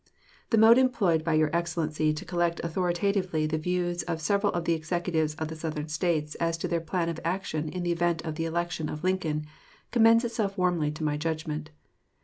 The mode employed by your Excellency to collect authoritatively the views of several of the Executives of the Southern States as to their plan of action in the event of the election of Lincoln, commends itself warmly to my judgment.